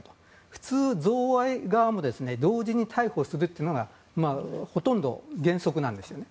普通、贈賄側も同時に逮捕するというのがほとんど原則なんですね。